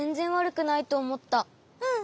うん。